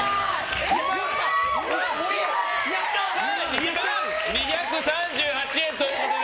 ２万２３８円ということで。